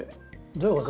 どういうこと？